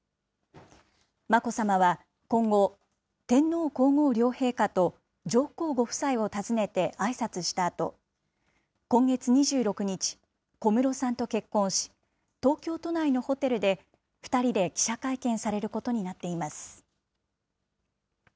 眞子さまは、今後、天皇皇后両陛下と上皇ご夫妻を訪ねてあいさつしたあと、今月２６日、小室さんと結婚し、東京都内のホテルで２人で記者会見されることになっています。